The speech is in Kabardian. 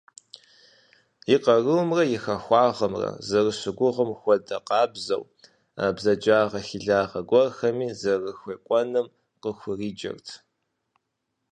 И къарумрэ и хахуагъэмрэ зэрыщыгугъым хуэдэ къабзэу, бзаджагъэ–хьилагъэ гуэрхэми зэрыхуекӀуэным къыхуриджэрт.